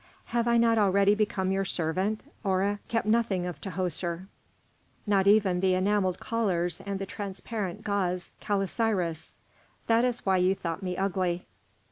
"Have I not already become your servant? Hora kept nothing of Tahoser, not even the enamelled collars and the transparent gauze calasiris; that is why you thought me ugly."